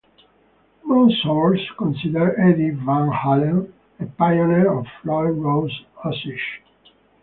Most sources consider Eddie Van Halen a pioneer of Floyd Rose usage.